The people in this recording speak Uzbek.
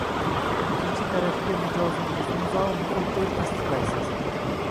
ikkinchi tarafiga mijozingiz imzo, muhr qo‘yib tasdiqlaysizlar.